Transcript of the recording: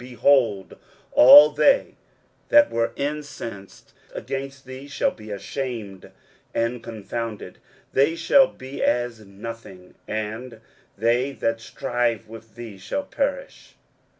23:041:011 Behold, all they that were incensed against thee shall be ashamed and confounded: they shall be as nothing; and they that strive with thee shall perish.